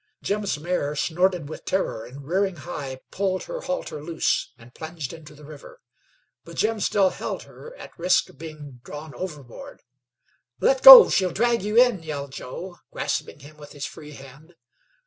Jim's mare snorted with terror, and rearing high, pulled her halter loose and plunged into the river. But Jim still held her, at risk of being drawn overboard. "Let go! She'll drag you in!" yelled Joe, grasping him with his free hand.